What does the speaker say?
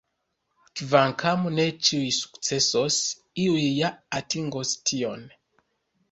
Kvankam ne ĉiuj sukcesos, iuj ja atingos tion.